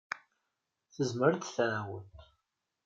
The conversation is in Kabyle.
Tezmer ad d-tɛawen.